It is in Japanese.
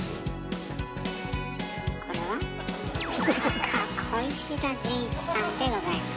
これは？来たか小石田純一さんでございます。